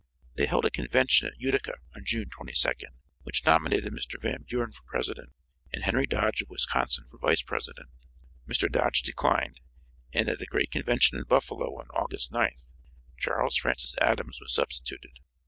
They held a convention at Utica on June 22nd which nominated Mr. Van Buren for president, and Henry Dodge of Wisconsin for vice president. Mr. Dodge declined, and at a great convention in Buffalo on August 9th, Charles Francis Adams was substituted.